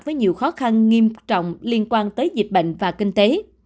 với nhiều khó khăn nghiêm trọng liên quan tới dịch bệnh và kinh tế